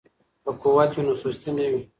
که قوت وي نو سستي نه وي.